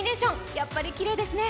やっぱりきれいですね。